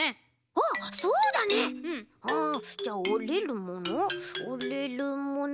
あじゃあおれるものおれるものはっと。